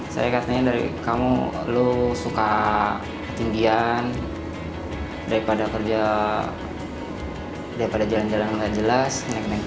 saya katanya dari kamu lu suka ketinggian daripada kerja daripada jalan jalan nggak jelas naik naik